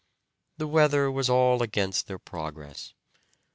The weather was all against their progress.